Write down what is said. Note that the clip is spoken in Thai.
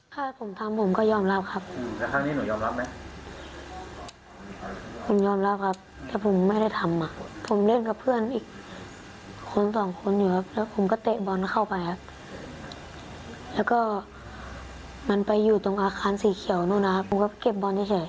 เพราะว่าครูบอกว่าไม่ให้เข้าในโรงเรียนตอนเลิกเรียนนะครับ